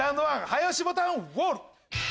早押しボタンウォール。